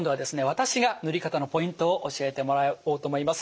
私が塗り方のポイントを教えてもらおうと思います。